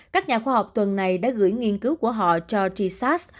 các nhà khoa học tuần này đã gửi nghiên cứu của họ cho t sars